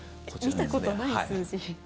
見たことない数字。